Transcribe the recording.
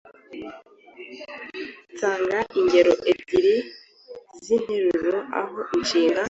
Tanga ingero ebyiri z’interuro aho inshinga